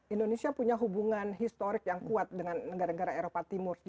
indonesia punya hubungan historik yang kuat dengan negara negara eropa timur